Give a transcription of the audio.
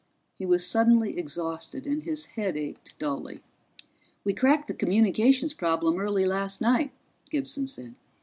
He was suddenly exhausted, and his head ached dully. "We cracked the communications problem early last night," Gibson said.